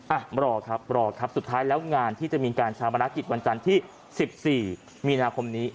อ่ะรอครับรอครับสุดท้ายแล้วงานที่จะมีการชาวประนักกิจวันจันทร์ที่๑๔มีนาคมนี้